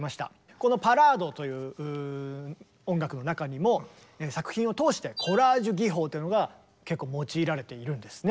この「パラード」という音楽の中にも作品を通してコラージュ技法というのが結構用いられているんですね。